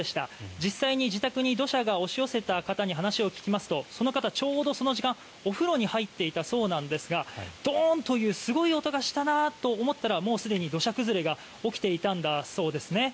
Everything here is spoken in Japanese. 実際に自宅に土砂が押し寄せた方に話を聞きますとその方、ちょうどその時間お風呂に入っていたそうですがドーンというすごい音がしたなと思ったらもうすでに土砂崩れが起きていたんだそうですね。